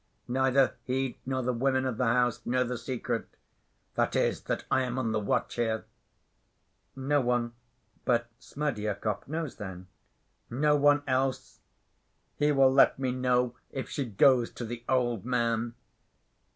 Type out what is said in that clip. Neither he nor the women of the house know the secret—that is, that I am on the watch here." "No one but Smerdyakov knows, then?" "No one else. He will let me know if she goes to the old man."